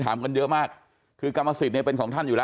ถามกันเยอะมากคือกรรมสิทธิ์เนี่ยเป็นของท่านอยู่แล้ว